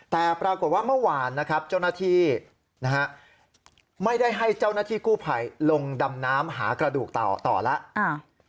แต่ปรากฏว่าเมื่อวานนะครับเจ้าหน้าที่นะฮะไม่ได้ให้เจ้าหน้าที่กู้ภัยลงดำน้ำหากระดูกเต่าต่อแล้ว